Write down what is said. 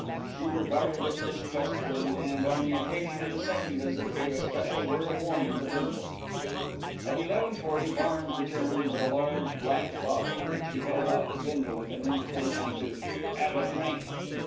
She regarded it distrustfully and, on the occasion of the second visit, gave a special word of warning to Bindle. At 11.40 Barnes returned with a large black bottle, which he held out to Bindle with an invitation to "'ave a drink."